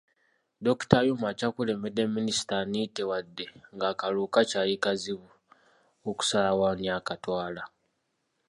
Dokita Ayume akyakulembedde Minisita Anite wadde nga akalulu kakyali kazibu okusalawo ani akatwala.